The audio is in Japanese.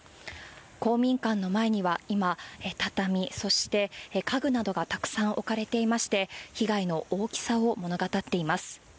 公民館の前には今、畳、そして家具などがたくさん置かれていまして、被害の大きさを物語っています。